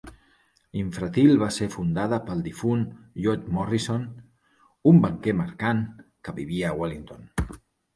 Infratil va ser fundada pel difunt Lloyd Morrison, un banquer mercant que vivia a Wellington.